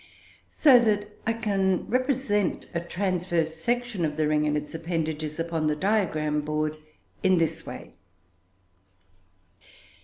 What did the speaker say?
So that I can represent a transverse section of the ring and its appendages upon the diagram board in this way.